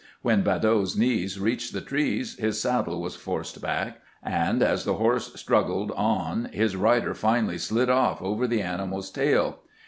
When Badeau's knees reached the trees his saddle was forced back, and as the horse strug gled on his rider finally slid off over the animal's tail.